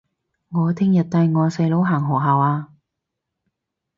你聽日帶我細佬行學校吖